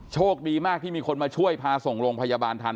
โชคดีมากที่มีคนมาช่วยพาส่งโรงพยาบาลทัน